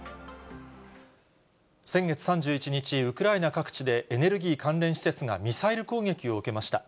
先月３１日、ウクライナ各地でエネルギー関連施設がミサイル攻撃を受けました。